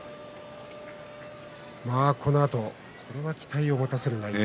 このあとに期待を持たせる内容